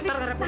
ntar ntar udah